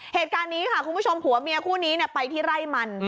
เหตุการณ์นี้ค่ะคุณผู้ชมผัวเมียคู่นี้ไปที่ไร่มัน